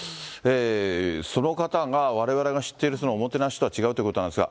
その方が、われわれが知っているおもてなしとは違うということなんですが。